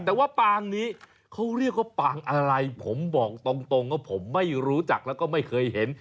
แต่ว่าปางนี้เขาเรียกว่าปางอะไรผมบอกตรงว่าผมไม่รู้จักแล้วก็ไม่เคยเห็น